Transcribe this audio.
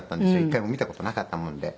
１回も見た事なかったもんで。